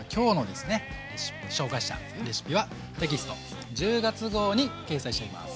紹介したレシピはテキスト１０月号に掲載しています。